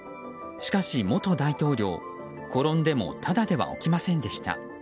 しかし元大統領、転んでもただでは起きませんでした。